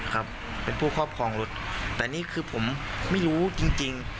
ครับเป็นผู้ครอบครองรถแต่นี่คือผมไม่รู้จริงจริง